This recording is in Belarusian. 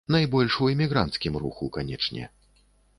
Найбольш у эмігранцкім друку, канечне.